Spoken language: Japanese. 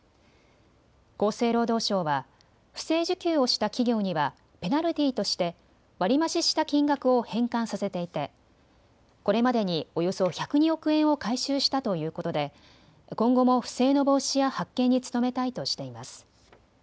厚生労働省は不正受給をした企業にはペナルティーとして割り増しした金額を返還させていてこれまでにおよそ１０２億円を回収したということで今後も不正の防止や発見に努めたいとしています。